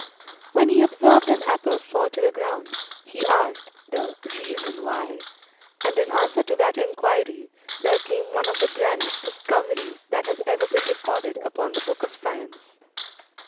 When he observed an apple fall to the ground, he asked the "Reason Why;" and in answer to that enquiry, there came one of the grandest discoveries that has ever been recorded upon the book of science.